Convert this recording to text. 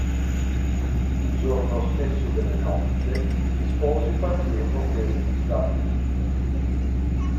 Il giorno stesso delle nozze, gli sposi partirono per gli Stati Uniti.